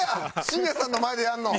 真矢さんの前でやんの。